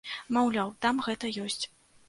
Маўляў, там гэта ёсць.